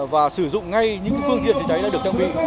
và sử dụng ngay những phương tiện chữa cháy đã được trang bị